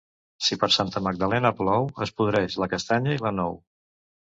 Si per Santa Magdalena plou, es podreix la castanya i la nou.